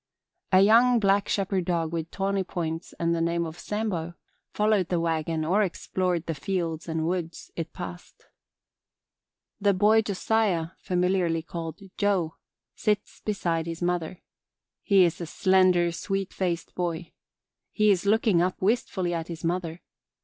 ... A young black shepherd dog with tawny points and the name of Sambo followed the wagon or explored the fields and woods it passed. The boy Josiah familiarly called Joe sits beside his mother. He is a slender, sweet faced boy. He is looking up wistfully at his mother.